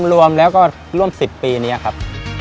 รวมแล้วก็ร่วม๑๐ปีนี้ครับ